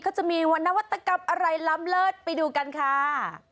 จะมีวันนวัตกรรมอะไรล้ำเลิศไปดูกันค่ะ